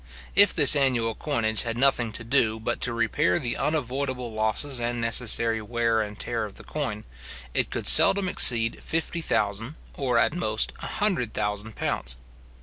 If this annual coinage had nothing to do but to repair the unavoidable losses and necessary wear and tear of the coin, it could seldom exceed fifty thousand, or at most a hundred thousand pounds.